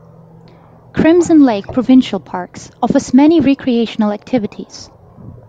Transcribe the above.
Crimson Lake Provincial Parks offers many recreational activities.